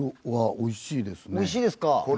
美味しいですか？